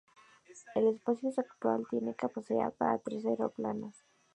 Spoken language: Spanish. El espacio actual tiene capacidad para tres aeroplanos.